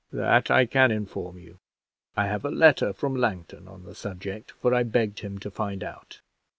"That I can inform you. I have a letter from Langton on the subject, for I begged him to find out.